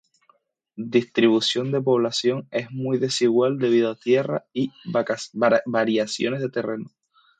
Distribución de población es muy desigual debido a tierra y variaciones de terreno.